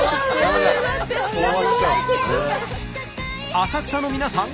浅草の皆さん